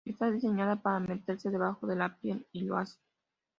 Está diseñada para meterse debajo de la piel y lo hace".